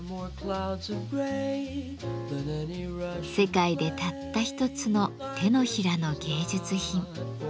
世界でたった一つの手のひらの芸術品。